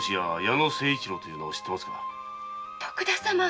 徳田様